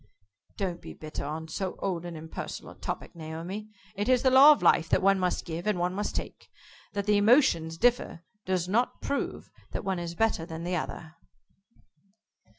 "Don't be bitter on so old and impersonal a topic, Naomi. It is the law of life that one must give, and one must take. That the emotions differ does not prove that one is better than the other."